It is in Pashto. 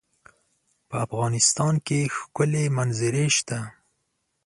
په افغانستان کې ښکلي منظرې شته.